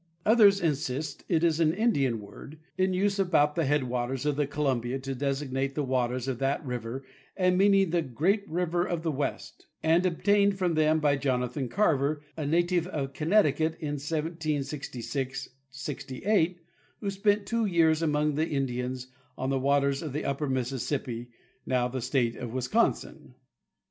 Others insist it is an Indian word, in use about the headwaters of the Columbia to designate the waters of that river and meaning the The beautiful Name of the State 267 "great river of the west," and obtained from them by Jonathan Carver, a native of Connecticut, in 1766 68, who spent two years among the Indians on the waters of the upper Mississippi, now the state of Wisconsin.